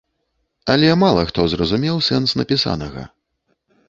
Але мала хто зразумеў сэнс напісанага.